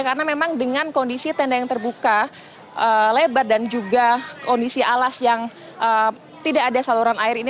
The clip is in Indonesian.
karena memang dengan kondisi tenda yang terbuka lebar dan juga kondisi alas yang tidak ada saluran air ini